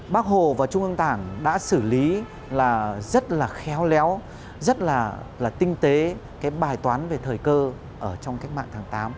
bác hồ và trung ương đảng đã xử lý rất là khéo léo rất là tinh tế bài toán về thời cơ trong cách mạng tháng tám